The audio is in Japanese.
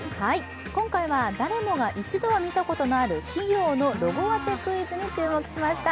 今回は誰もが一度は目にしたことがある、企業のロゴ当てクイズに挑戦しました。